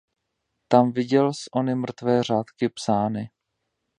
Tam viděl's ony mrtvé řádky psány.